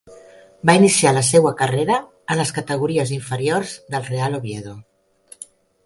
Va iniciar la seua carrera en les categories inferiors del Real Oviedo.